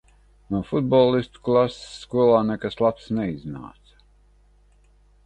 No futbolistu klases skolā nekas labs neiznāca.